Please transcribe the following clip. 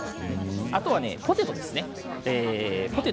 あとポテトですね